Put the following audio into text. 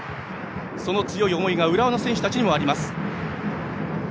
その強い思いが浦和の選手たちにもあります。